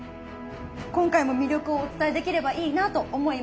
今回も魅力をお伝えできればいいなと思います。